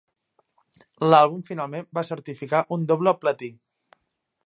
L'àlbum finalment va certificar un doble platí.